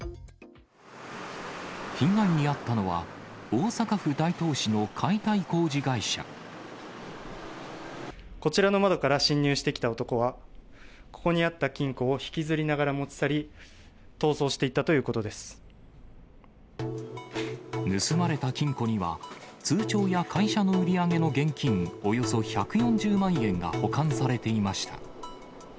被害に遭ったのは、こちらの窓から侵入してきた男は、ここにあった金庫を引きずりながら持ち去り、逃走していったとい盗まれた金庫には、通帳や会社の売り上げの現金およそ１４０万円が保管されていました。